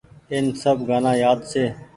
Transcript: اين سب گآنآ يآد ڇي۔